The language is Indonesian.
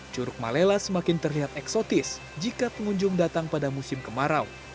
curug malela semakin terlihat eksotis jika pengunjung datang pada musim kemarau